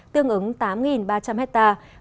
tương ứng tám ba trăm linh hectare